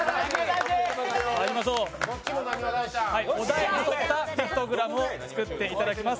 お題に沿ったピクトグラムを作っていただきます。